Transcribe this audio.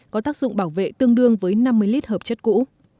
có tác dụng bảo vệ tương đương với năm mươi lít hợp chất cũ